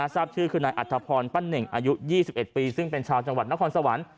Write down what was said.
ทราบชื่อคือนายอัธพรปั้นเน่งอายุ๒๑ปีซึ่งเป็นชาวจังหวัดนครสวรรค์